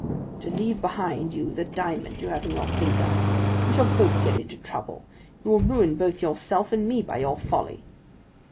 "To leave behind you the diamond you have on your finger. We shall both get into trouble. You will ruin both yourself and me by your folly."